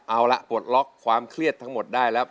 เอาล่ะปลดล็อกความเครียดทั้งหมดได้แล้ว